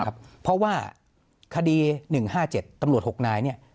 นะคะเพราะว่าคดี๑๕๗ตำรวจหกนายเนี้ย